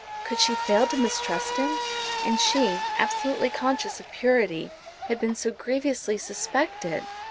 Could she fail to mistrust him? And she, absolutely conscious of purity, had been so grievously suspected!